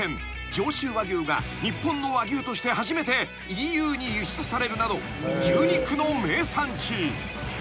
上州和牛が日本の和牛として初めてＥＵに輸出されるなど牛肉の名産地］